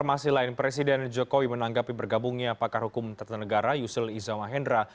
informasi lain presiden jokowi menanggapi bergabungnya pakar hukum tata negara yusril iza mahendra